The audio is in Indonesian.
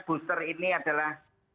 booster ini adalah